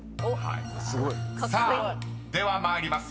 ［さあでは参ります。